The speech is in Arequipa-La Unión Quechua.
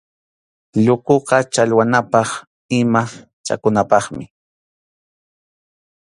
Llukuqa challwanapaq ima chakunapaqmi.